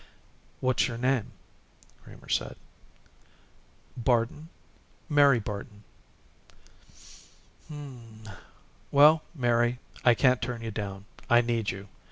"What's your name?" Kramer said. "Barton, Mary Barton." "Hm m m. Well, Mary I can't turn you down. I need you.